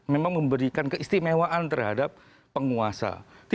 memang memberikan keistimewaan terhadap penguasa